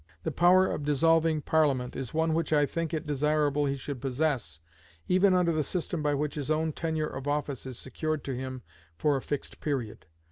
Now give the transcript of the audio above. The power of dissolving Parliament is one which I think it desirable he should possess, even under the system by which his own tenure of office is secured to him for a fixed period.